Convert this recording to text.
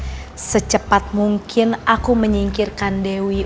dan setelah itu secepat mungkin aku menyingkirkan dewi